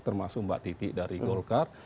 termasuk mbak titi dari golkar